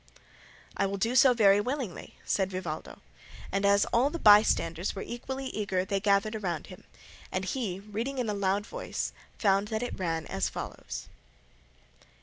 "I will do so very willingly," said Vivaldo; and as all the bystanders were equally eager they gathered round him, and he, reading in a loud voice, found that it ran as follows.